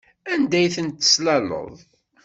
Anda ay ten-teslaleḍ?